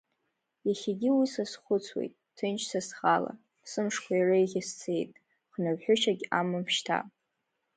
Иахьагьы уи сазхәыцуеит, ҭынч са схала, сымшқәа иреиӷьыз цеит, хнырҳәышьагь амам шьҭа.